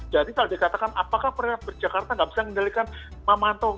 jadi kalau dikatakan apakah perniagaan di jakarta tidak bisa tinggalikan mamanto